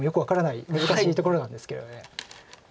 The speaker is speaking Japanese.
難しいところなんですけど。